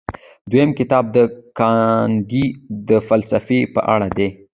دویم کتاب د ګاندي د فلسفې په اړه دی.